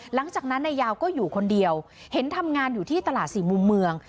หลังจากนั้นนายยาวก็อยู่คนเดียวเห็นทำงานอยู่ที่ตลาดสี่มุมเมือง